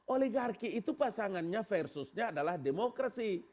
oligarki itu pasangannya versusnya adalah demokrasi